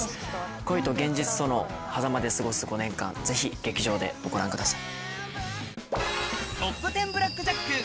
恋と現実とのはざまで過ごす５年間ぜひ劇場でご覧ください。